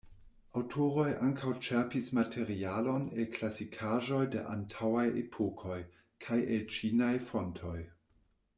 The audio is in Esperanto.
Aŭtoroj ankaŭ ĉerpis materialon el klasikaĵoj de antaŭaj epokoj, kaj el ĉinaj fontoj.